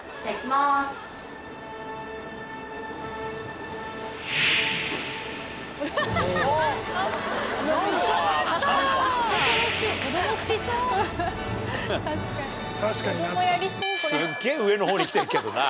すっげえ上の方に来てるけどな。